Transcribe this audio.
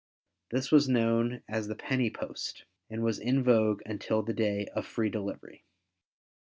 This was known as the "penny post" and was in vogue until the day of free delivery.